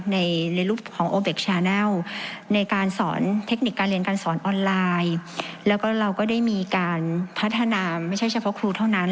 ในรูปของโอเบคชาแนลในการสอนเทคนิคการเรียนการสอนออนไลน์แล้วก็เราก็ได้มีการพัฒนาไม่ใช่เฉพาะครูเท่านั้น